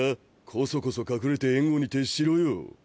コソコソ隠れて援護に徹しろよ。